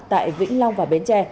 tại vĩnh long và bến tre